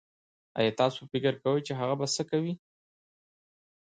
ايا تاسو فکر کوي چې هغه به سه کوئ